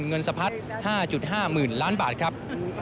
เงินสะพัด๕๕๐๐๐ล้านบาทครับ